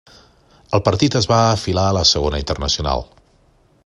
El partit es va afiliar a la Segona Internacional.